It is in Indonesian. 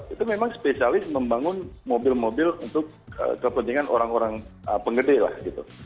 itu memang spesialis membangun mobil mobil untuk kepentingan orang orang penggede lah gitu